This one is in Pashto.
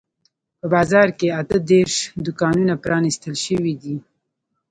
په بازار کې اته دیرش دوکانونه پرانیستل شوي دي.